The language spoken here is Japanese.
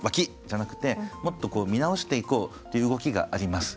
じゃなくてもっと見直していこうっていう動きがあります。